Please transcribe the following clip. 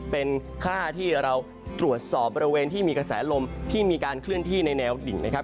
เป็นค่าที่เราตรวจสอบบริเวณที่มีกระแสลมที่มีการเคลื่อนที่ในแนวดิ่งนะครับ